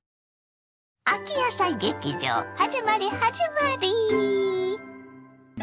秋野菜劇場はじまりはじまり！